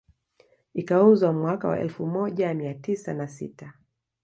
Ikauzwa mwaka wa elfu moja mia tisa na sita